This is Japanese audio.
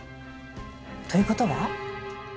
ということは？